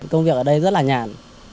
công việc ở đây rất là nhản